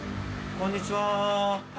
こんにちは。